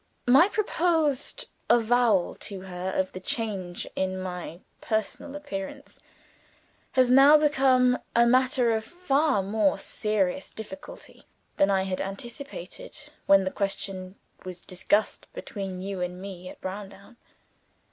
My proposed avowal to her of the change in my personal appearance, has now become a matter of far more serious difficulty than I had anticipated when the question was discussed between you and me at Browndown.